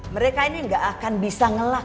mereka ini gak akan bisa ngelak